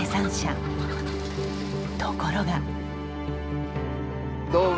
ところが。